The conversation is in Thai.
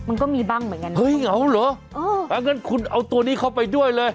อย่างนั้นคุณเอาตัวนี้เข้าไปด้วยเลย